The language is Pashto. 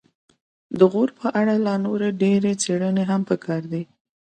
د غور په اړه لا نورې ډېرې څیړنې هم پکار دي